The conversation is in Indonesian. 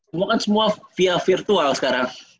semua kan semua via virtual sekarang